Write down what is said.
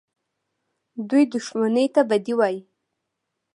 دوى دښمني ته بدي وايي.